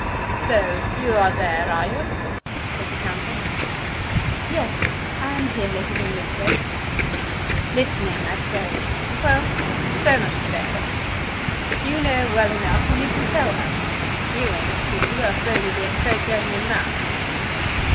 "So you are there, are you?" said the countess. "Yes; I am here, Lady Linlithgow." "Listening, I suppose. Well; so much the better. You know well enough, and you can tell her. You ain't a fool, though I suppose you'll be afraid to open your mouth."